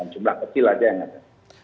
jumlah kecil aja yang ada